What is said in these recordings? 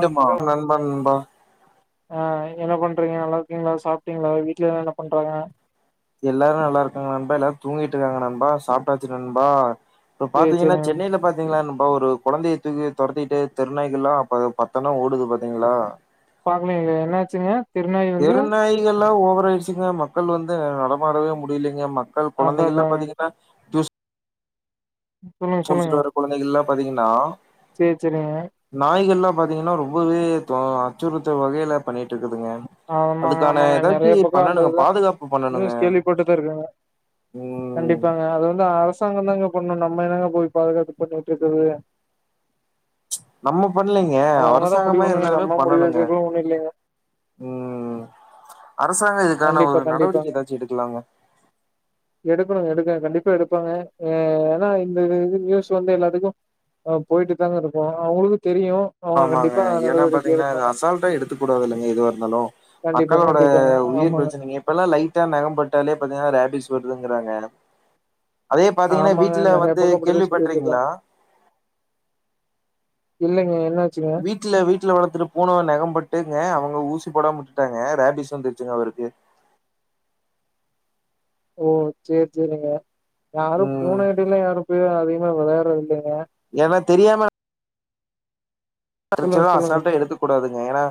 ஆ மா ப்ரோ நண்பா நண்பா ஆ என்ன பண்றீங்க நல்லா இருக்கீங்களா சாப்ட்டீங்களா வீட்லல்லா என்ன பண்றாங்க எல்லாரு நல்லா இருக்காங்க நண்பா எல்லாரு தூங்கிட்டு இருக்காங்க நண்பா சாப்ட்டாச்சு நண்பா இப்ப சேரி பாத்தீங்ன்னா சேரிங்க சென்னைல பாத் தீங்கனா இப்ப ஒரு கொழந்தைய தூக்கி துரத்திட்டு தெருநாய்கல்லா அப்பபத்தனா ஓடுது பாத்தீங்களா பாக்கலைங்ளே என்னாச்சுங்க திருநாய் வந்து பெருநாய்கல்லா ஓவராயிடுச்சுங்க மக்கள் வந்து நடமாடவே முடியலங்க மக்கள் மக்கள் கொழந்தைகள்லா அடடடங்க பாத்தீங்ன்னா சொல்லுங்க முடிச்சுட் வர்ற கொழந்தைகல்லா பாத்தீங்ன்னா சேர் செரிங்க நாய்கள்ல்லா பாத்தீங்ன்னா ரொம்பவே தோ அச்சுறுத்த வகைல பண்ணிட்டுருக்குதுங்க ஆமாங்க ஆமாங்க நெறய பக்கோ அந்த இதுதா பாதுகாப்பு பண்ணணுங்க நியூஸ் கேள்விப்பட்டுதா இருக்காங்க ம் கண்டிப் அதாங்க அதவந்து அரசாங்கோதாங்க பண்ணு நம்ம என்னங்க போயி பாதுகாப்பு பண்ணிட்டுயிருக்கறது நம்ம பண்லீங்க அது அவங்கதா முடிவு அரசாங்கமே பண்ணுங்க இருந்தாலுமே நம்ம முடிவு பண்ணணுங்க எடுக்கறதுக்குலா ஒண்ணு இல்லைங்க ம் அரசாங்கோ இதுக்கான கண்டிப்பா ஒரு நடவடிக்க ஏதாச்சு எடுக்கலாங்க எடுக்கணு எடுக்க கண்டிப்பா எடுப்பாங்க எ ஏனா இந்த இது நியூஸ் வந்து எல்லாத்துக்கு அ போயிட்டு தாங்க இருக்கோ அவுங்ளுக்கு தெரியு அவங்க ஆமாங்க கண்டிப்பா ஏனா நடவடிக்கை பாத்தீங்ன்னா எடுப்பாங்க இத அசால்ட்டா எடுத்துக்க கூடாதுலங்க எதுவாயிருந்தாலு கண்டிப்பா, மக்களோட கண்டிப்பாங்க. உயிர் ஆமாங்க, பிரச்சனையே இப்பெல்லா லைட்டா நெகம்பட்டாலே பாத்தீங்ன்னா ரேபிஸ் வருதுங்கிறாங்க அதே பாத்தீங்கன்னா ஆமாங்க. வீட்ல நெறைய வந்து பக்கம் கேள்வி அப்படிதான் பட்றீக்கிங்களா சொல்லிட்டுருக்காங்க. இல்லைங்க என்னாச்சுங்க வீட்ல வீட்ல வளர்த்துட்டு பூன நெகம்பட்டுங்க அவுங்க ஊசிபோடாம உட்டுட்டாங்க ரேபிஸ் வந்துருச்சுங்க அவுருக்கு ஓ செர் செரிங்க யாரு பூன ம் கிட்டல்லா யாரும்போய் அதிகமா விளையாட்றது இல்லைங்க ஏன்னா தெரியாம சொல்லுங்க, பிரச்சனலா சொல்லுங்க. அசல்டா எடுத்துக் கூடாதுங்க ஏன்னா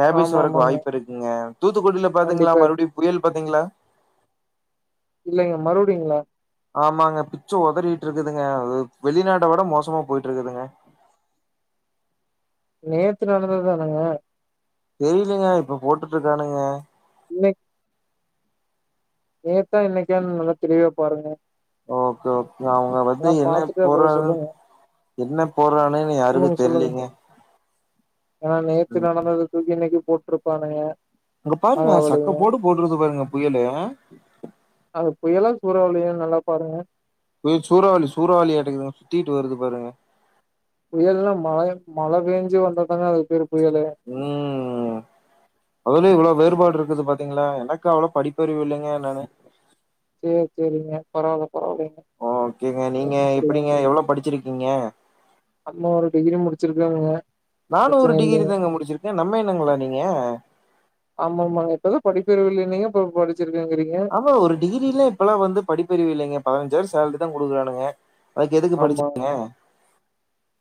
ரேபிஸ் வர்ரக்கு ஆமாமாங்க. வாய்ப்புயிருக்குங்க தூத்துக்குடியில பாத்தீங்ளா கண்டிப்பா. மறுபடியு புயல் பாத்தீங்ளா இல்லைங்க மறுபுடிங்ளா ஆமாங்க பிச்சு உதறிட்டுயிருக்குதுங்க வெளிநாட்ட விட மோசமா போயிட்டு இருக்குதுங்க நேத்து நடந்ததுதானுங்க தெரிலைங்க இப்ப போட்டுட்டு இருக்கானுங்க இன்னைக் நேத்தா இன்னைக்கான்னு நல்லா தெளிவா பாருங்க ஓகே ஓகே அவுங்க வந்து எல்லாம் என்ன பாத்துட்டு அப்புறம் போறா சொல்லுங்க. என்ன போறான்னே இன்னு யாருக்கு சொல்லுங்க, சொல்லுங்க. தெரிலீங்க ஏன்னா நேத்து நடந்தது தூக்கி இன்னைக்கி போட்ருப்பானுங்க அங்க பாருங்க சக்க போடு போட்ருதுபாருங்க புயலு அது புயலா சூறாவளியான்னு நல்லா பாருங்க சூறாவளி சூறாவளியாட்டகுதுங்க சுத்திட்டு வருது பாருங்க புயல்னா மாய மழ பேஞ்சு வந்ததாங்க அதுக்கு பேர் புயலு ம் அதுல இவ்ளோ வேறுபாடுயிருக்குது பாத்தீங்ளா எனக்கு அவ்ளோ படிப்பறி இல்லங்க நானு செர் செரிங்க பரவாயில்ல பரவாயில்லைங்க ஓகேங்க நீங்க எப்டிங்க எவ்ளோ படிச்சிருக்கீங்க அம்மா ஒரு டிகிரி முடிச்சிருக்காங்க பிரச்சனயில்லைங்க எ நம்ம இனங்களா நீங்க ஆமா ஆமா இப்பதாங்க படிப்பறிவு இல்ல நீங்க இப்ப படிச்சிருக்கங்கிறீங்க ஒரு டிகிரிலா இப்பெல்லா வந்து படிப்பறிவு இல்லைங்க பதினஞ்சாயிரோ சேலரிதா குடுக்குறானுங்க அதுக்கு எதுக்கு ஆமா படிச்சிங்க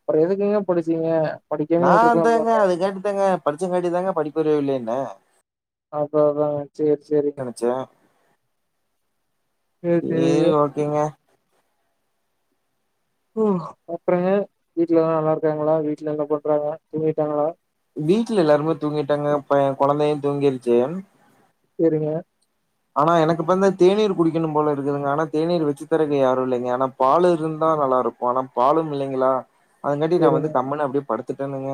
அப்றோ எதுக்குங்க படிச்சீங்க படிக்காமே நா விட்ருக்கலாம்ல அத்தாங்க அதுகாட்டிதாங்க படிச்சங்காட்டிதாங்க படிப்பறிவு இல்லைன்ன அதா அதாங்க செர் செரி நெனச்சேன் செர் செரிங்க கிங்க ம் அப்றோங்க வீட்ல எல்லா நல்லாயிருக்காங்ளா வீட்ல என்ன பண்றாங்க தூங்கிட்டாங்ளா வீட்ல எல்லாருமே தூங்கிட்டாங்க பய கொழந்தையு தூங்கிருச்சு செரிங்க ஆனா எனக்கு பந்து தேநீர் குடிக்கணும் போல இருக்குதுங்க ஆனா தேநீர் வச்சு தரக்கு யாரு இல்லைங்க ஆனா பாலு இருந்தா நல்லா இருக்கு ஆனா பாலும் இல்லைங்களா அதுங்காட்டி நா வந்து சேரிங்க கம்மன்னு அப்டியே படுத்துட்டோனுங்க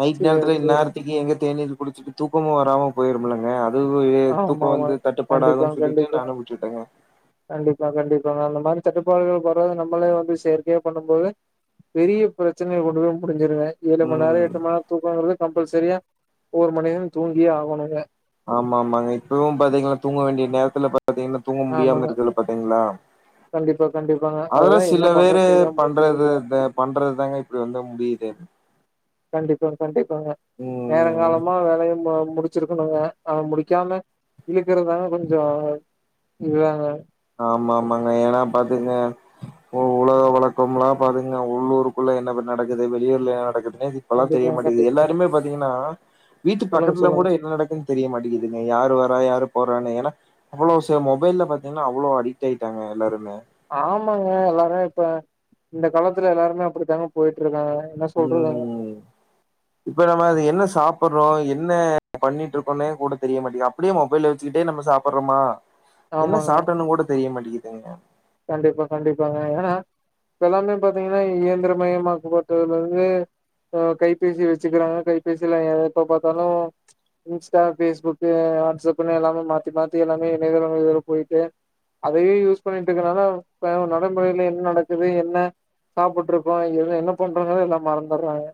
நைட் சேரி நேரத்துல சேரி இந்நேரத்திக்கு எங்க தேநீர் குடிச்சுட்டு தூக்கமு வராம போயிரும்லங்க அதுவு தூக்கோ ஆமாம்மா வந்து தட்டுப்பாடாகுன்னு கண்டிப்பாங் சொல்லிட்டு கண்டிப்பாங்க நானு விட்டுட்டேங்க கண்டிப்பா கண்டிப்பாங்க அந்த மாரி தட்டுப்பாடுகள் வரது நம்மளே வந்து செயற்கையா பண்ணும்போது பெரிய பிரச்சனைல கொண்டு போய் முடிஞ்சிருங்க ஏழு மண்நேரோ ம் எட்டு மண்நேரோ தூக்கங்கறது கம்பல் சரியா ஒரு மண்நேரோ தூங்கியே ஆகணுங்க ஆமா ஆமாங்க இப்பவு பாத்தீங்கன்னா தூங்க வேண்டிய நேரத்துல பாத்தீங்கன்னா தூங்க முடியாம ஆமாங்க. இருக்குதுல பாத்தீங்ளா கண்டிப்பா, கண்டிப்பாங்க. அதுல அதுதான் என்ன சில பேரு பண்றதுன்னு தெரியாம பண்றது முழிச்சுட்ருக்கேங்க. இந்த பண்றது தாங்க இப்டி வந்து முடியுது கண்டிப்பா கண்டிப்பாங்க ம் நேரங்காலமா வேலைய முடிச் சிருக்கணுங்க அத முடிக்காம இழுக்கறதாக கொஞ்சோ இதுதாங்க ஆமா ஆமாங்க ஏன்னா பாத்துங்க உலக வழக்கம்ல்லா பாத்துங்க உள்ளூருக்குள்ள என்ன நடக்குது வெளியூர்ல என்ன நடக்குதுன்னே இப்பல்லா தெரிய கண்டிப்பாங்க, மாட்டேங்குது கண்டிப்பா. எல்லாருமே பாத்தீங்கன்னா வீட்டு சொல்லுங்க, பக்கத்துல சொல்லுங்க. கூட என்ன நடக்கு தெரிய மாட்டிங்கிதுங்க யாரு வரா யாரு போறானு ஏனா அவ்ளோ மொபைல்ல பாத் ஏன்னா அவ்ளோ அடிக்ட் ஆயிட்டாங்க எல்லாருமே ஆமாங்க எல்லாருமே இப்ப இந்த காலத்துல எல்லாருமே அப்படித்தாங்க போயிட்டு இருக்காங்க என்ன சொல்றதுதாங்க ம் இப்ப நம்ம அது என்ன சாப்பறோ என்ன பண்ணிட்டு இருக்கோனே கூட தெரிய மாட்டிகுது அப்டியே மொபைல் வச்சுட்டே நம்ம சாப்பறமா என்ன ஆமாங்க. சாப்ட்டன்னு கூட தெரிய மாட்டிகிதுங்க கண்டிப்பா கண்டிப்பாங்க ஏன்னா இப்ப எல்லாமே பாத்தீங்கன்னா இயந்திரமயமாக்கப்பட்டதுல இருந்து அ கைபேசி வெச்சுக்கிறாங்க கைபேசிலா எப்ப பாத்தாலு இன்ஸ்டா பேஸ்புக் வாட்ஸ்அப்ன்னு எல்லாமே மாத்தி மாத்தி எல்லாமே இணையதள வழில போயிட்டு அதையே யூஸ் பண்ணிட்டு இருக்கரனால இப்ப நடைமுறையில என்ன நடக்குது என்ன சாப்டுட்டு இருக்கோ இங்க என்ன பண்றோங்கிறதே எல்லா மறந்துறாங்க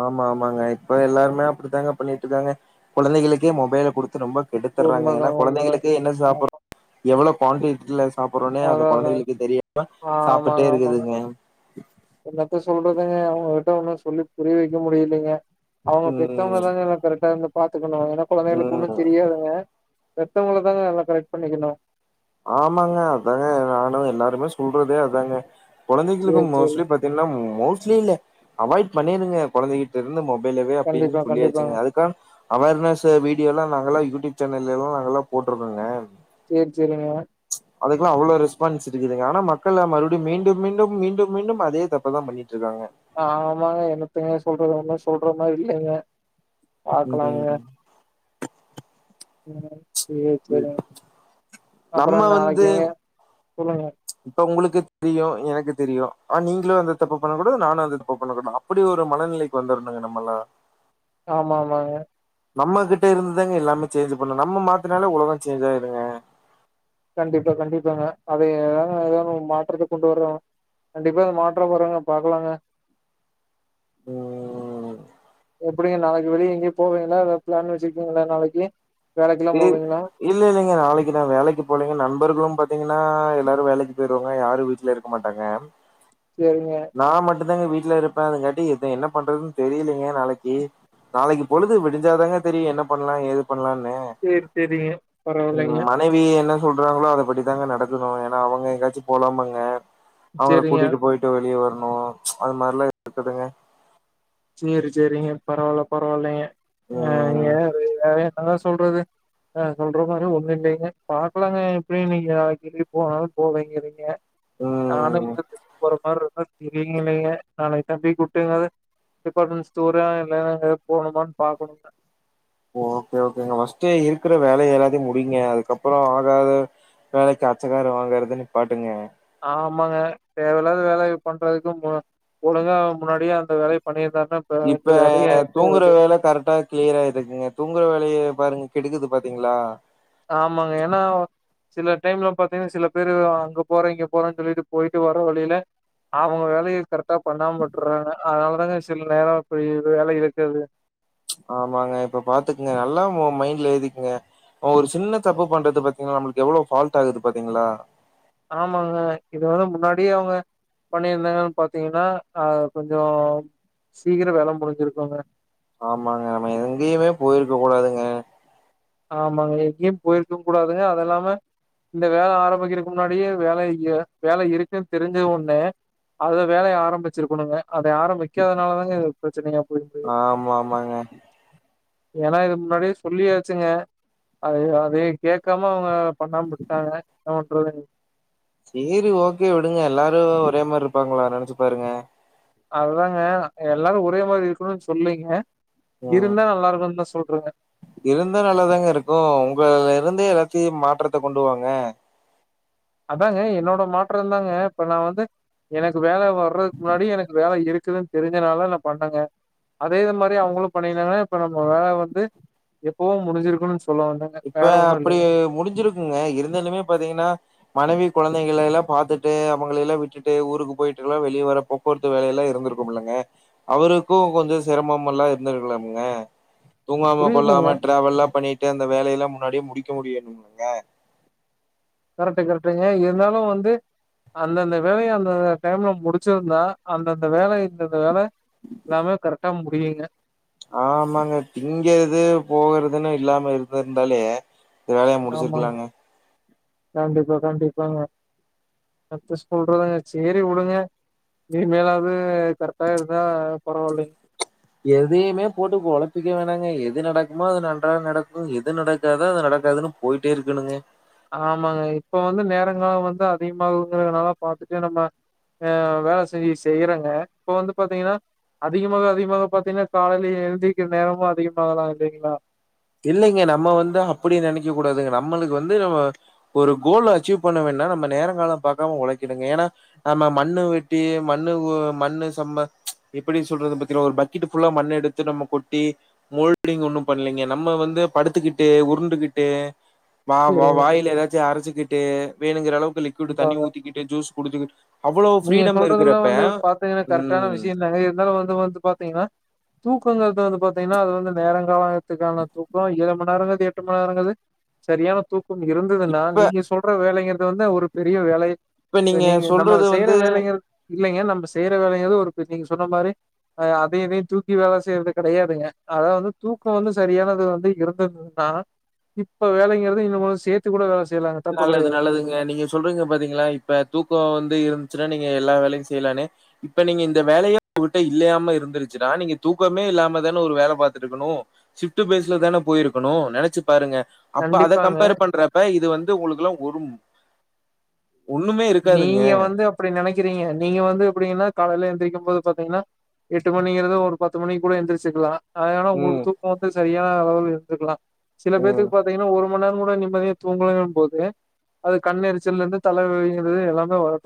ஆமா ஆமாங்க இப்ப எல்லாருமே அப்படித்தாங்க பண்ணிட்டு இருக்காங்க கொழந்தைகளுக்கே மொபைலா குடுத்து ரொம்ப கெடுத்துறாங்க ஏன்னா உண்மதாங்க உண்மதா கொழந்தைகளுக்கு என்ன ஆ சாப்ப எவ்ளோ குவான்டிட்டில சாப்பறோனே அத அதா அதா கொழந்தைகளுக்கு தெரியாம சாப்டுடே ஆமாங்க ஆமாங்க இருக்குதுங்க என்னத்த சொல்றதுங்க அவங்ககிட்ட ஒன்னு சொல்லி புரிய வெக்க முடியலைங்க அவங்க பெ ம் பெத்தவங்கதாங்க எல்லா கரெக்டா இருந்து பாத்துக்கணு ஏன்னா கொழந்தைகளுக்கு ம் ஒன்னு தெரியாதுங்க பெத்தவுங்களதாங்க நல்லா கரெக்ட் பண்ணிக்கணு ஆமாங்க அதாங்க நானு எல்லாருமே சொல்றதே அதாங்க கொழந்தைகளுக்கு சேரி சேரிங்க மோஸ்ட்லி பாத் தின்னா மோஸ்ட்லி இல்ல அவாய்ட் பண்ணிருங்க கொழந்தைகிட்ட இருந்து மொபைலவே அப்டின் கண்டிப்பா கண்டிப்பாங்க சொல்லியாச்சுங்க அது க அவர்னஸ் வீடியோலா நாங்களா யூட்டியூப் சேனல்லலா நாங்களா போட்ருந்தோங்க சேர் செரிங்க அதுக்கெல்லா அவ்ளோ ரெஸ்பான்ஸ் இருக்குதுங்க ஆனா மக்களா மறுபடியு மீண்டு மீண்டும் மீண்டும் மீண்டும் அதே தப்பதா பண்ணி ட்ருக்காங்க ஆமாங்க என்னத்துங்க சொல்றது ஒன்னு சொல்ற மாரி இல்லங்க பாக்கலாங்க ம் ம் செரி செரி நம்ம அப்பறோ வந்து நாளைக்குங்க சொல்லுங்க இப்ப உங்குளுக்கு தெரியு எனக்கு தெரியு ஆனா நீங்களு அந்த தப்ப பண்ணக்கூடாது நானும் அந்த தப்ப பண்ணக்கூடா அப்படி ஒரு மனநிலைக்கு வந்துரணுங்க நம்மல்லா ஆமா ஆமாங்க நம்ம கிட்ட இருந்துதாங்க எல்லாமே சேஞ்ச் பண்ணு நம்ம மாத்துனாலே உலக சேஞ் ஆயிருங்க கண்டிப்பா கண்டிப்பாங்க அதையேதாங்க ஒரு மாற்றத்த கொண்டுவரனு வர்றாங்க கண்டிப்பா இந்த மாற்றம் வருங்க பாக்கலாங்க ம் எப்பிடிங்க நாளைக்கு வெளிய எங்கேயு போவீங்களா அத பிளான் வெச்சுருக்கீங்ளா நாளைக்கு வேலைக்கெல்லா இ போவீங்ளா இல்ல இல்லங்க நாளைக்கு நான் வேலைக்கு போலீங்க நண்பர்களும் பாத்தீங்கன்னா எல்லாரு வேலைக்கு போயிருவாங்க யாரும் வீட்ல இருக் மாட்டாங்க சேரிங்க நா மட்டுந்தாங்க வீட்ல இருப்பே அதுங்காட்டி இது என்ன பண்றதுன்னு தெரியலங்க நாளைக்கி நாளைக்கி பொழுது விடிஞ்சாதாங்க தெரியு என்ன பண்ணலா ஏது பண்லான்னு சேர் சேரிங்க பரவால்லைங்க ம் மனைவி என்ன சொல்றாங்களோ அத படித்தாங்க நடக்கணு ஏன்னா அவங்க எங்கயாச்சும் போலாம் பாங்க அவங்கள சரிங்க. கூட்டிட்டு போயிட்டு வெளிய வரணு அது மாறில்லா இருக்குதுங்க சேரி சேரிங்க பரவால்ல பரவால்லைங்க ஏங்க ம் அது [unintelligible] என்னதா சொல்றது ஆ சொல்ற மாறி ஒண்ணு இல்லங்க பாக்கலாங்க எப்டியு இன்னிக்கு வேலக்கி கீது போனாலு போவ நீங்க இருங்க நானு ம் இங்க இருந்து [unintelligible] இருந்தா [unintelligible] டிபார்ட்மெண்ட் ஸ்டோரா இல்லன்னா எதோ போனுமான்னு பாக்கணுங்க ஓக்கே ஓக்கேங்க ஃபர்ஸ்ட்டே இருக்கிற வேலைய எல்லாத்தையு முடிங்க அதுக்கப்றோ ஆகாது வேலைக்கு அச்சக்காரோ வாங்கறத நிப்பாட்டுங்க ஆமாங்க தேவையில்லாத வேலைய பண்றதுக்கும் ஒழுங்கா முன்னாடியே அந்த வேலைய பண்ணியிருந்தா தா இப்ப தூங்குற வேலை கரெட்டா கிளியரா இருக்குங்க தூங்குற வேலயை பாருங்க கெடுக்குது பாத்தீங்ளா ஆமாங்க என்னா சில டைம்ல பாத்தீங்கன்னா சில பேரு அங்க போறே இங்க போறேன்னு சொல்லிட்டு போயிட்டு வர வழியில அவங்க வேலய கரெக்டா பண்ணாம விட்டற்றாங்க அதனாலதாங்க சில நேரோ இப்டி வேலை இழுக்கறது ஆமாங்க இப்ப பாத்துக்குங்க நல்லா மைண்ட்ல ஏத்திக்குங்க ஒரு சின்ன தப்பு பண்றது பாத்தீங்களா நம்மளுக்கு எவ்ளோ ஃபால்ட் ஆகுது பாத்தீங்ளா ஆமாங்க இது வந்து முன்னாடியே அவங்க பண்ணியிருந்தாங்களான்னு பாத்தீங்கன்னா அ கொஞ்சோ சீக்கிர வேலை முடிஞ்சிருக்குங்க ஆமாங்க நம்ம எங்கயுமே போயிருக்க கூடாதுங்க ஆமாங்க எங்கையு போயிருக்கவு கூடாதுங்க அத இல்லாம இந்த வேலை ஆரம்பிக்கிறதுக்கு முன்னாடியே வேலை வேலை இருக்குன்னு தெரிஞ்சது ஒன்னு அத வேலையை ஆரம்பிச்சிருக்கணுங்க அதை ஆரம்பிக் பிக்காதனால தாங்க இது பிரச்சனையா போய்டுது ஆமா ஆமாங்க ஏன்னா இது முன்னாடியே சொல்லியாச் ச்சுங்க அத அதையு கேட்காம அவங்க பண்ணாம விட்டாங்க என்ன பண்றதுங் சேரி ஓகே விடுங்க எல்லாரு ஒரே மாறி இருப்பாங்ளா நெனச்சு பாருங்க அதாங்க எல்லாரு ஒரே மாறி இருக்கணுன்னு சொல்லீங்க ம் இருந்தா நல்லா இருக்கும் தான் சொல்றேங்க இருந்தா நல்லாதாங்க இருக்கும் உங்க இருந்தே எல்லாத்தையு மாற்றத்தகொண்டுவாங்க அத்தாங்க என்னோட மாற்றோ தாங்க இப்ப நா வந்து எனக்கு வேலை வர்றதுக்கு முன்னாடி எனக்கு வேலை இருக்குதுன்னு தெரிஞ்சனால நா பண்ணங்க அதே இது மாறி அவங்களு பண்ணீயிருந்தாங்கன்னா இப்ப நம்ம நம்ம வேலை வந்து எப்பவோ முடிஞ்சிருக்கணும்னு சொல்ல வந்தே இப்ப அப்டி முடிஞ்சிருக்குங்க இருந்தாலுமே பாத்தீங்கன்னா மனைவி குழந்தைங்கள எல்லாம் பாத்துட்டு அவங்கள எல்லா விட்டுட்டு ஊருக்கு போயிட்டு எல்லா வெளிய வரப்போ பொறுத்த வேலை எல்லா இருந்திருக்குமில்லங்க அவருக்கு கொஞ்சோ சிரமம் எல்லா இருந்திருக்கலாமாங்க தூங்காம புரியுதுங்க கொல்லாம டிராவல்லா பண்ணிட்டு அந்த வேலை எல்லா முன்னாடியே முடிக்க முடியணும் மில்லங்க கரெட்டு கரெக்டுங்க இருந்தாலு வந்து அந்தந்த வேலைய அந்தந்த டைம்ல முடிச்சிருந்தா அந்தந்த வேலை இந்தந்த வேலை எல்லாமே கரெக்டா முடியுங்க ஆமாங்க திங்கெது போகுறதுன்னு இல்லாம இருந்துருந்தாலே ஆமா கண்டிப்பா கண்டிப்பாங்க ஃபஸ்ட்டு சொல்றதாங்க சேரி விடுங்க இன்மேலாது கரெட்டா இருந்தா பரவால்லெங்கெ எதையுமே போட்டு கொழப்பிக்க வேணாங்க எது நடக்குமோ அது நன்றாக நடக்கு எது நடக்காதொ அது நடக்காதுன்னு போயிட்டே இருக்கணுங்க ஆமாங்க இப்ப வந்து நேரங் காலொ வந்தா அதிகமாகுங்குறனால பாத்துட்டு நம்ம அ வேல செய்யி செய்யறங்க இப்ப வந்து பாத்திங்கன்னா அதிகமாக அதிகமாக பாத்திங்கன்னா காலைல எழுந்திக்ற நேரமு அதிகமாக தா ஆகுதுங்ளா இல்லைங்க நம்ம வந்து அப்புடி நெனைக்க கூடாதுங்க நம்மளுக்கு வந்து நம்ம ஒரு கோல்ல அச்சீவ் பண்ண வேனுன்னா நம்ம நேரங்காலொ பாக்காம ஒழைக்கனுங்க ஏன்னா நம்ம மண்ணு வெட்டி மண்ணு ஓ மண்ணு சம்ம எப்புடி சொல்றது [unintelligible] ஒரு பக்கெட்டு ஃபுல்லா மண்ணு எடுத்து து நம்ம கொட்டி மோல்டிங் ஒன்னு பண்ணலெங்கெ நம்ம வந்து படுத்துக்கிட்டு உருண்டுகிட்டு வா வா சரிங்க. வாயில எதாச்சு அரச்சுக்கிட்டு ட்டு வேணுங்குற அளவுக்கு லிக்கூடு அதாங்க. தண்ணி ஊத்திகிட்டு ஜூஸ் குடுச்சுகிட் நீங்க சொல்றதுல்லா வந்து பாத்திங்கன்னா கரெக்டான ம் விஷ்யந்தாங்க இருந்தாலு வந்து வந்து பாத்திங்கன்னா தூக்கங்கிறது வந்து பாத்திங்கன்னா அது வந்து நேரொ காலத்துக்கான தூக்கொ ஏழு மணி நேரங்கது எட்டு மணி நேரங்கது சரியான தூக்கம் இருந்ததுன்னா இப்ப நீங்க சொல்ற வேலைங்கிறது வந்து ஒரு பெரிய வேலை இப்ப நீங்க சொல்றது வந்து இப்ப வேலைகள் இல்லைங்க நம்ம செய்யற வேலைகள் ஒரு பெ நீங்க சொல்ற மாரி அ அதையு இதையு தூக்கி வேல செய்யறது கெடையாதுங்க அதா வந்து தூக்கொ வந்து சரியானது வந்து இருந்தது ன்னா இப்ப வேலைங்குறது இன்னு கொஞ் சேத் து கூட வேல செய்லாங்க நல்லது நல்லது க நீங்க சொல்றெங்கெ பாத்திங்களா இப்ப தூக்கொ வந்து இருந்துச்சுன்னா நீங்க எல்லா வேலையு செய்யலானு இப்ப நீங்க இந்த வேலையே உங்கிட்ட இல்லையாம இருந்துருச்சுன்னா நீங்க தூக்கமே இல்லாம தானே ஒரு வேல பாத்துட்ருக்கணு சிஃப்டு பேஸுல தான போயிருக்கணு நெனச்சு பாருங்க அப்ப அத கண்டிப்பாங்க. கம்பேர் பண்றப்ப இது வந்து ஒங்ளுக்கெல்லா ஒரும் ஒன்னுமே இல் நீங்க வந்து அப்டி நெனக்கிறீங்க நீங்க வந்து எப்புடிங்னா காலைல எந்துரிக்கும் போது பாத்திங்ன்னா எட்டு மணிங்கிறது ஒரு பத்து மணி கூட எந்துருச்சுக்கலா அதனால உங்களுக்கு ம், தூக்கொ வந்து சரியான அளவு எடுத்துகலா சில ம். பேத்துக்கு பாத்திங்கன்னா ஒரு [unintelligible] நேரொங் கூட நிம்மதியா தூங்கனும் போது அது கண்ண எரிச்சல் இருந்து தலைவலி [unintelligible] எல்லாமே வரு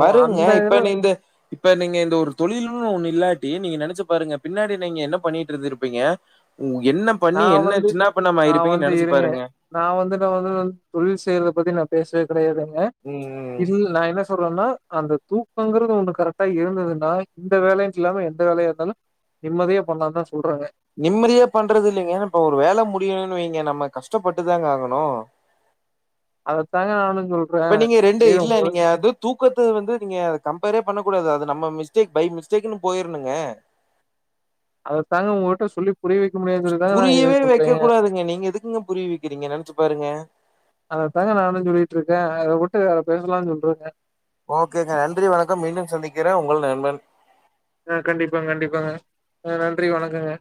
வருங்க இப்ப நிந்து இப்ப நீங்க இந்த ஒரு தொழிலுன்னு ஒன்னு இல்லாட்டி நீங்க நெனைச்சு பாருங்க பின்னாடி நீங்க என்ன பண்ணிட்டு இருந்துருப்பீங்க ம் என்ன பண்ணி நான் என்ன சின்னாபின்னமா ஆயிருப்பீங்கன்னு நெனைச்சு பாருங்க நா வந்துட்டு வந்து தொழில் செய்றத பத்தி நா பேசவே கெடையாதுங்க ம் ம். இல் நா என்ன சொல்றேன்னா அந்த தூக்கங்கிறது ஒன்னு கரெக்டா இருந்ததுன்னா இந்த வேலை இல்லாம எந்த வேலையா இருந்தாலு நிம்மதியா பண்லாந் தா சொல்றாங்க நிம்மதியா பண்றது இல்லைங்க இப்ப ஒரு வேலை முடியணுனு வைங்க நம்ம கஷ்டப்பட்டுதாங்க ஆகணு அதத்தாங்க நானு சொல் இப்ப நீங்க ரெண்டு இல்ல நீங்க அது தூக்கத்த வந்து நீங்க அத கம்பேரே பண்ணக்கூடாது அது நம்ம மிஸ்டேக் பை மிஸ்டேக்ன்னு போயிரணுங்க அதத்தாங்க உங்ககிட்ட சொல்லி புரிய வைக்க முயற் புரியவே வெக்க கூடாதுங்க நீங்க எதுக்குங்க புரிய வெக்கிறீங்க நெனச்சு பாருங்க அத தாங்க நானு சொல்லிட்டு இருக்க அத ஒட்டவே அத பேசலாம் சொல்றேங்க ஓகேங்க நன்றி வணக்கம் மீண்டும் சந்திக்கிற உங்கள் நண்பன் ஆ கண்டிப்பாங்க கண்டிப்பாங்க ஆ நன்றி வணக்கங்க